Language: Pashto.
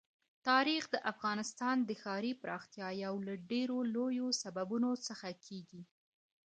تاریخ د افغانستان د ښاري پراختیا یو له ډېرو لویو سببونو څخه کېږي.